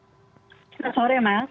selamat sore mas